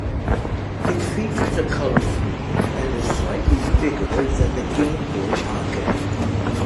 It features a color screen, and is slightly bigger than the Game Boy Pocket.